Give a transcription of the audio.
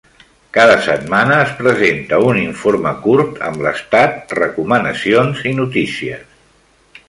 Cada setmana es presenta un informe curt, amb l'estat, recomanacions i notícies.